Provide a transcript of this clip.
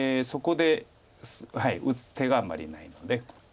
そこで打つ手があんまりないので。